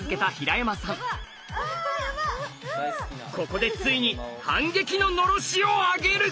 ここでついに反撃ののろしを上げる！